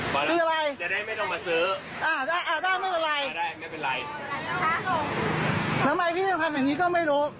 ผมสั่งอย่างได้อย่าง๒๓ทีแล้ว